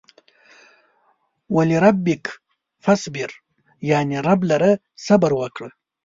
ولربک فاصبر يانې رب لپاره صبر وکړه.